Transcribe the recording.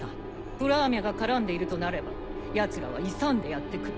プラーミャが絡んでいるとなればヤツらは勇んでやって来る。